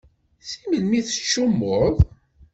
Si melmi i tettcummuḍ?